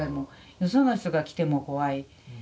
よその人が来ても怖い。